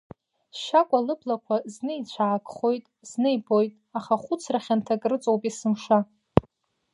Шьакәа лыблақәа зны ицәаакхоит, зны ибоит, аха хәыцра хьанҭак рыҵоуп есымша.